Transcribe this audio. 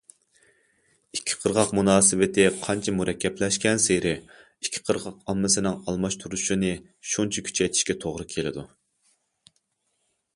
ئىككى قىرغاق مۇناسىۋىتى قانچە مۇرەككەپلەشكەنسېرى، ئىككى قىرغاق ئاممىسىنىڭ ئالماشتۇرۇشىنى شۇنچە كۈچەيتىشكە توغرا كېلىدۇ.